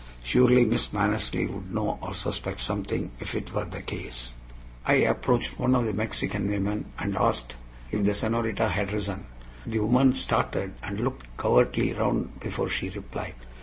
Surely Miss Mannersley would know or suspect something, if it were the case. I approached one of the Mexican women and asked if the senorita had risen. The woman started, and looked covertly round before she replied.